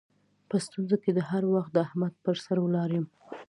په ستونزو کې هر وخت د احمد پر سر ولاړ یم.